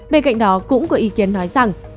bên cạnh đó cũng có ý kiến nói rằng